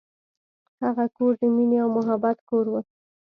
هغه کور د مینې او محبت کور و.